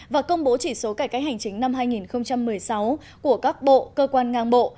và công bố chỉ số cải cách hành chính năm hai nghìn một mươi sáu của các bộ cơ quan ngang bộ